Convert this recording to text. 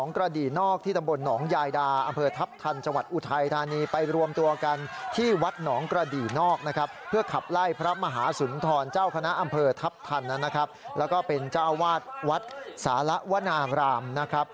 เนี่ยละอารมณ์เดือดของชาวบ้านนะครับ